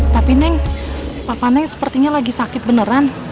tapi neng papa neng sepertinya lagi sakit beneran